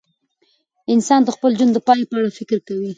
انسان د خپل ژوند د پای په اړه فکر کوي.